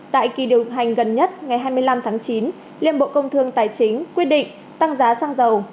tại kỳ điều hành gần nhất ngày hai mươi năm tháng chín liên bộ công thương tài chính quyết định tăng giá xăng dầu